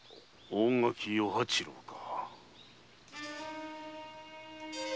大垣与八郎か。